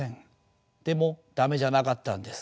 でも駄目じゃなかったんです。